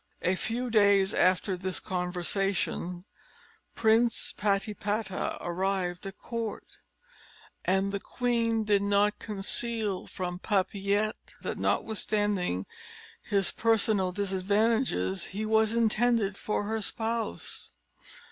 A few days after this conversation, Prince Patipata arrived at court; and the queen did not conceal from Papillette, that, notwithstanding his personal disadvantages, he was intended for her spouse.